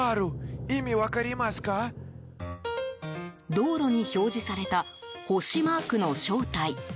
道路に表示された星マークの正体。